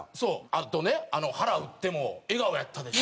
あとね腹打っても笑顔やったでしょ？